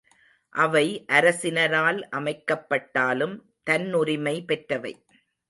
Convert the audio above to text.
அவை அரசினரால் அமைக்கப்பட்டாலும் தன்னுரிமை பெற்றவை.